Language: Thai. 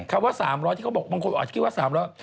คำว่า๓๐๐ที่เขาบอกบางคนอาจจะคิดว่า๓๐๐บาท